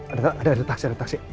ada ada taksi